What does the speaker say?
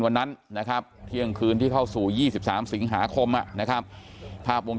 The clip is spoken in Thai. วันนั้นนะครับเที่ยงคืนที่เข้าสู่๒๓สิงหาคมนะครับภาพวง